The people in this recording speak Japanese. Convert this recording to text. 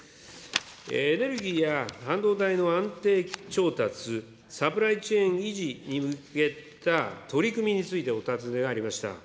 エネルギーや半導体の安定調達、サプライチェーン維持に向けた取り組みについてお尋ねがありました。